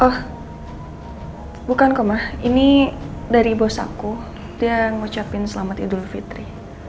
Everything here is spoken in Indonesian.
oh bukan kok mah ini dari bos aku yang ngucapin selamat idul fitri